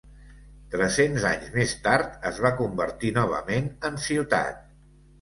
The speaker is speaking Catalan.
Tres-cents anys més tard, es va convertir novament en ciutat.